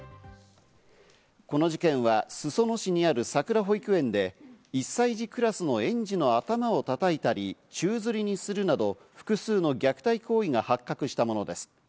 この事件は裾野市にある、さくら保育園で１歳児クラスの園児の頭をたたいたり、宙吊りにするなど、複数の虐待行為が発覚したものです。